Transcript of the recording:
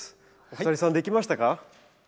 お二人さんできましたか？